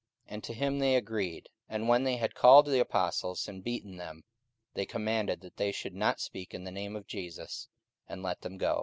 44:005:040 And to him they agreed: and when they had called the apostles, and beaten them, they commanded that they should not speak in the name of Jesus, and let them go.